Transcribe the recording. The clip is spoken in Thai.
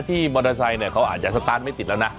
มอเตอร์ไซค์เขาอาจจะสตาร์ทไม่ติดแล้วนะ